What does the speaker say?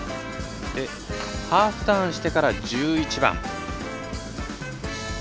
ハーフターンしてから１１番。